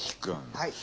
はい。